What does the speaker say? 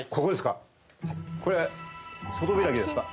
これ外開きですか？